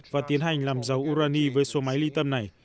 và tiến hành làm dầu urani với số máy ly tâm này